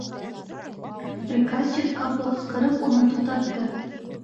Приказчик ҡапыл ҡысҡырып уны туҡтатты: